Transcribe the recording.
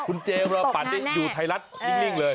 คุณเจมรปันอยู่ไทยรัฐนิ่งเลย